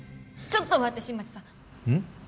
ちょっと待って新町さんうん？